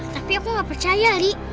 tapi aku gak percaya li